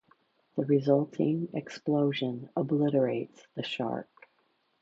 The resulting explosion obliterates the shark.